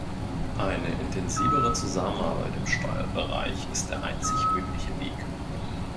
Eine intensivere Zusammenarbeit im Steuerbereich ist der einzig mögliche Weg.